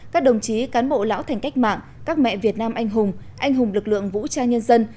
các đồng chí cán bộ lão thành cách mạng các mẹ việt nam anh hùng anh hùng lực lượng vũ trang nhân dân